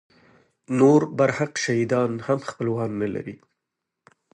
نور برحق شهیدان هم خپلوان نه لري.